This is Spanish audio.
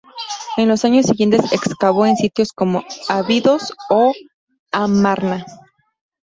En los años siguientes excavó en sitios como Abidos o Amarna.